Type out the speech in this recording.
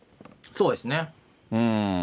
そうですね。